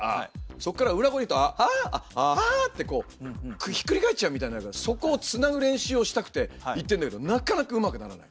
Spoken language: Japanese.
そこから裏声にいくと「アア」ってこうひっくり返っちゃうみたいなそこをつなぐ練習をしたくて行ってるんだけどなかなかうまくならない。